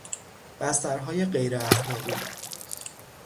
بسترهای غیراخلاقی